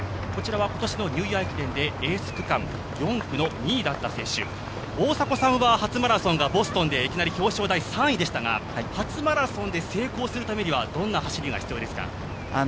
こちらは今年のニューイヤー駅伝でエース区間４区の２位だった選手、大迫さんは初マラソンはボストンでいきなり表彰台３位でしたが初マラソンで成功するためにはどんな走りが必要ですか？